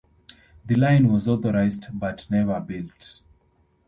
The line was authorised but never built.